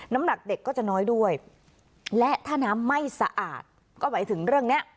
น้ำหนักเด็กก็จะน้อยด้วยและถ้าน้ำไม่สะอาดก็หมายถึงเรื่องเนี้ย